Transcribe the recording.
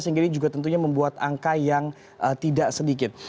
sehingga ini juga tentunya membuat angka yang tidak sedikit